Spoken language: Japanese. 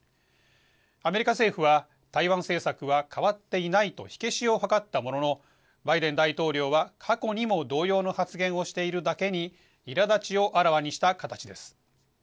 アメリカ政府は、台湾政策は変わっていないと火消しを図ったものの、バイデン大統領は過去にも同様の発言をしているだけに、いらだちをあらわにした形です。